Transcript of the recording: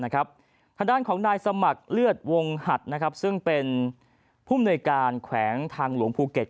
ทางด้านของนายสมัครเลือดวงหัดซึ่งเป็นผู้มนุยการแขวงทางหลวงภูเก็ต